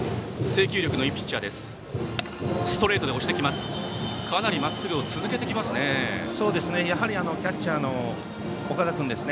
制球力のいいピッチャーです。